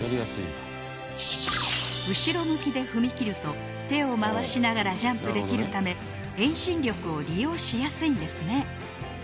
後ろ向きで踏み切ると手を回しながらジャンプできるため遠心力を利用しやすいんですね